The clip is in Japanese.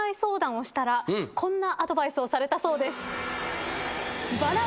こんなアドバイスをされたそうです。